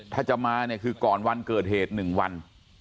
ถ้าจะมาเนี่ยคือก่อนวันเกิดเหตุ๑วัน